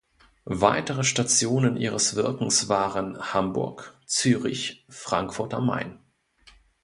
Weitere Stationen ihres Wirkens waren Hamburg, Zürich, Frankfurt am Main.